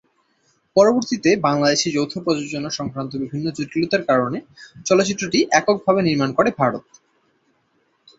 পরবর্তীতে বাংলাদেশে যৌথ প্রযোজনা সংক্রান্ত বিভিন্ন জটিলতার কারণে চলচ্চিত্রটি এককভাবে নির্মাণ করে ভারত।